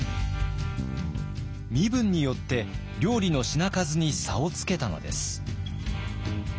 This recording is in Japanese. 身分によって料理の品数に差をつけたのです。